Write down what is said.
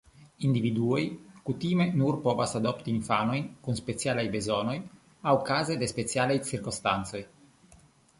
Individuoj kutime nur povas adopti infanojn kun specialaj bezonoj aŭ kaze de specialaj cirkonstancoj.